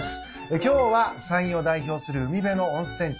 今日は山陰を代表する海辺の温泉地